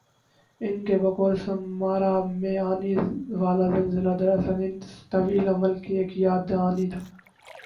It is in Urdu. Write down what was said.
ان کی بقول سمارا میں آنی والازلزلہ دراصل اس طویل عمل کی ایک یاد دہانی تھا